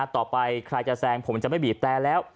ต่อไปใครจะแซงผมจะไม่บีบแต่แล้ว